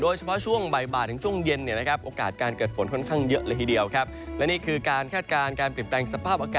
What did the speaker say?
โดยเฉพาะช่วงบ่ายบ่ายถึงช่วงเย็นนะครับ